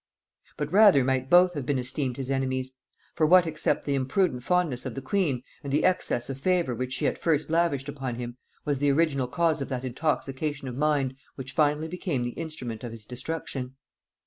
'" But rather might both have been esteemed his enemies; for what except the imprudent fondness of the queen, and the excess of favor which she at first lavished upon him, was the original cause of that intoxication of mind which finally became the instrument of his destruction?